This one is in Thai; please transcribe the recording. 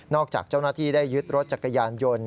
จากเจ้าหน้าที่ได้ยึดรถจักรยานยนต์